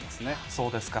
そうですか。